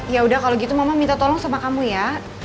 yaudah kalau gitu mama minta tolong sama kamu ya